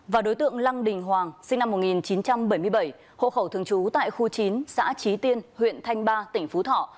và đối tượng lăng đình hoàng sinh năm một nghìn chín trăm bảy mươi bảy hộ khẩu thường trú tại khu chín xã trí tiên huyện thanh ba tỉnh phú thọ